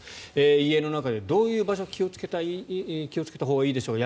家の中でどういう場所に気をつけたほうがいいでしょう